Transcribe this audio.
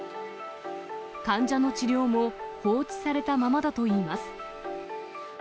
患者の治療も放置されたままだといいます。